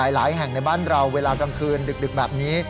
หลายแห่งในบ้านเราเวลากลางคืนดึกแบบนี้